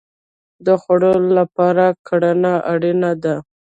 د خوړو لپاره کرنه اړین ده